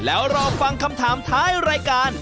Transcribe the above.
แล้วรอฟังคำถามท้ายรายการ